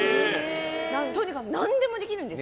とにかく何でもできるんです。